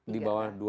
di bawah dua